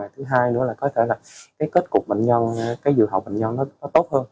thứ hai nữa là có thể là cái kết cục bệnh nhân cái dự học bệnh nhân nó tốt hơn